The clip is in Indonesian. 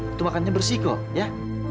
itu makannya bersih kok ya